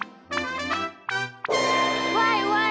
「ワイワイ！